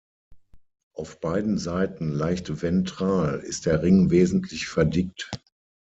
Auf beiden Seiten leicht ventral ist der Ring wesentlich verdickt.